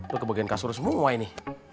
tuh kebagian kasur semua ini